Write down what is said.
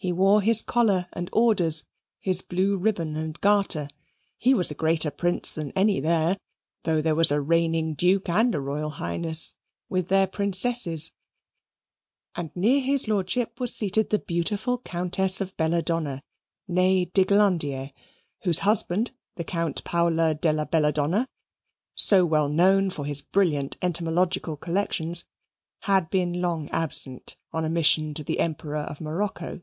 He wore his collar and orders, his blue ribbon and garter. He was a greater Prince than any there, though there was a reigning Duke and a Royal Highness, with their princesses, and near his Lordship was seated the beautiful Countess of Belladonna, nee de Glandier, whose husband (the Count Paolo della Belladonna), so well known for his brilliant entomological collections, had been long absent on a mission to the Emperor of Morocco.